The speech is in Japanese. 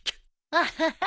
アハハ！